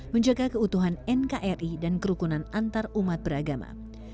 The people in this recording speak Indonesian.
menjaga keutuhan nkri dan kerukunan antarumat beragama